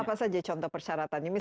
apa apa saja contoh persyaratannya misal